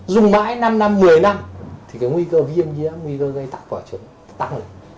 dùng mãi năm năm một mươi năm thì cái nguy cơ hiêm nhiễm nguy cơ gây tắc quả trứng tăng lên